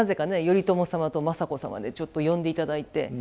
頼朝様と政子様でちょっと呼んでいただいて。